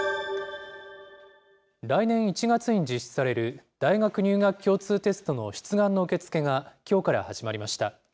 来年１月に実施される、大学入学共通テストの出願の受け付けがきょうから始まりました。